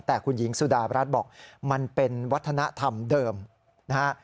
แต่คุณหญิงสุดารัฐบอกมันเป็นวัฒนธรรมเดิมนะฮะ